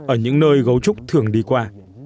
ở những nơi gấu trúc thường đi qua